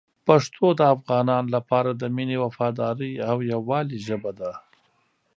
پښتو د افغانانو لپاره د مینې، وفادارۍ او یووالي ژبه ده.